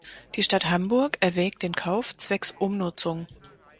Die Stadt Hamburg erwägt den Kauf zwecks Umnutzung.